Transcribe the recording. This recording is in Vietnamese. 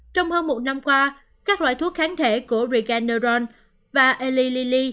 trong hơn một năm qua các loại thuốc kháng thể của regeneron và elilili